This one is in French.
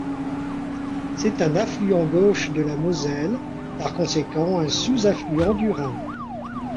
C'est un affluent gauche de la Moselle, par conséquent un sous-affluent du Rhin.